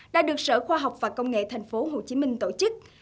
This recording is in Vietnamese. đã được sở khoa học và công nghệ tp hcm tổ chức